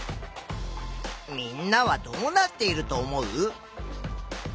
みんなはどうなっていると思う？